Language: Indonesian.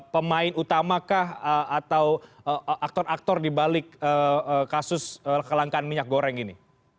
pemain utama kah atau aktor aktor dibalik kasus kelangkaan minyak goreng ini